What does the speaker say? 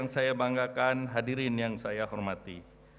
saya banggakan hadirin yang saya hormati